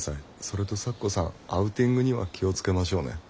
それと咲子さんアウティングには気を付けましょうね。